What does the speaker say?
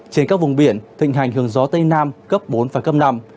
trên các vùng biển thịnh hành hướng gió tây nam cấp bốn và cấp năm